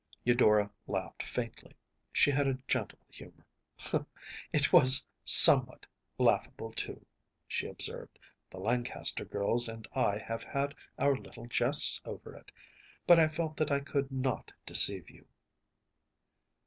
‚ÄĚ Eudora laughed faintly. She had a gentle humor. “It was somewhat laughable, too,‚ÄĚ she observed. “The Lancaster girls and I have had our little jests over it, but I felt that I could not deceive you.